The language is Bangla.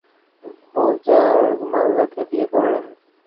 তিনি তার কাকাতো ভাই আঘা বোজার্গ মাল্লাকে বিয়ে করেন।